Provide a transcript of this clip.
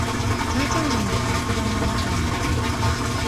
Taata wange akuba maama wange.